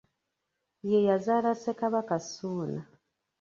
Ye yazaala Ssekabaka Ssuuna .